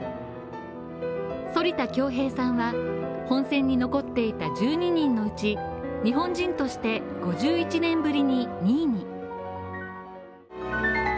反田恭平さんは本戦に残っていた１２人のうち、日本人として５１年ぶりに２位に。